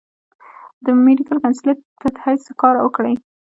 د ميډيکل کنسلټنټ پۀ حېث کار اوکړو ۔